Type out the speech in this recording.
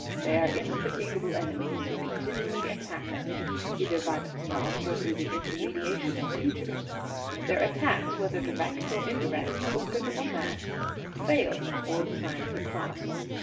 They are indefatigable enemies, who continually attack us, either by them selves, or through the intermediation of creatures. Their attacks, whether direct or indirect, open or masked, fail before the Sign of the Cross.